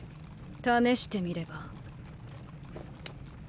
試してみれば？